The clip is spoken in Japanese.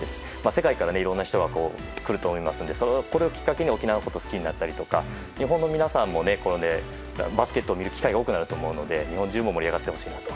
世界からいろんな人が来ると思いますのでこれをきっかけに沖縄のことを好きになったり日本の皆さんもバスケットを見る機会が多くなると思うので日本人も盛り上がってほしいなと。